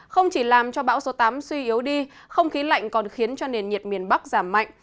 không chỉ làm cho bão số tám suy yếu đi không khí lạnh còn khiến cho nền nhiệt miền bắc giảm mạnh